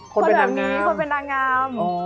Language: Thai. คนเป็นนางงาม